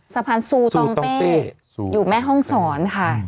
สะพานซูตองเป้อยู่แม่ห้องศรค่ะ